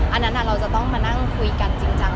อันนั้นเราจะต้องมานั่งคุยกันจริงจัง